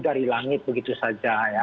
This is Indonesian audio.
dari langit begitu saja